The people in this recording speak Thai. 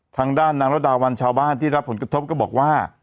ทางด้านนางรดาวันชาวบ้านที่รับผลกระทบก็บอกว่า